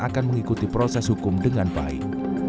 akan mengikuti proses hukum dengan baik